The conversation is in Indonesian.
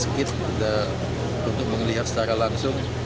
tadi kita sudah tes kit untuk melihat secara langsung